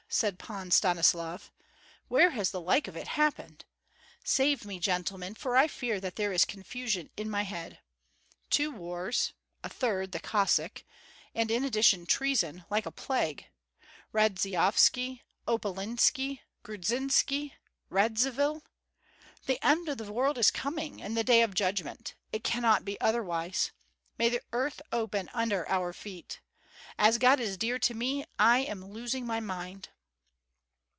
said Pan Stanislav. "Where has the like of it happened? Save me, gentlemen, for I feel that there is confusion in my head. Two wars, a third, the Cossack, and in addition treason, like a plague: Radzyovski, Opalinski, Grudzinski, Radzivill! The end of the world is coming, and the day of judgment; it cannot be otherwise! May the earth open under our feet! As God is dear to me, I am losing my mind!"